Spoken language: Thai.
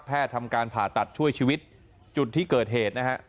ทำการผ่าตัดช่วยชีวิตจุดที่เกิดเหตุนะฮะ